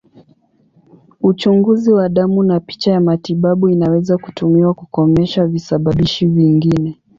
Uchunguzi wa damu na picha ya matibabu inaweza kutumiwa kukomesha visababishi vingine.